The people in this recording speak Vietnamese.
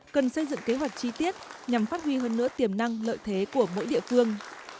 cần xây dựng kế hoạch chi tiết nhằm phát huy hơn nữa tiềm năng lợi thế của mỗi địa phương